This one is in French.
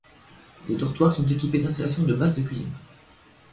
Les dortoirs sont équipés d'installations de base de cuisine.